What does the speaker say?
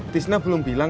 tisna belum bilang